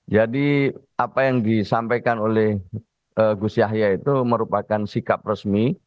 jadi apa yang disampaikan oleh gus yahya itu merupakan sikap resmi